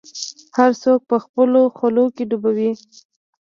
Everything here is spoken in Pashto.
هر څوک به خپلو حولو کي ډوب وي